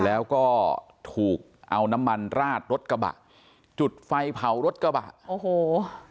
แล้วก็ถูกเอาน้ำมันราดรถกระบะจุดไฟเผารถกระบะโอ้โห